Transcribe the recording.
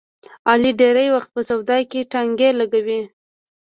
علي ډېری وخت په سودا کې ټانګې لګوي.